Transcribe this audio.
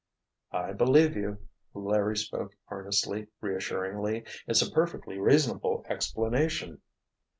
"I believe you!" Larry spoke earnestly, reassuringly. "It's a perfectly reasonable explanation."